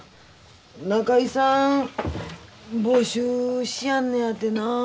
仲居さん募集しやんのやてな。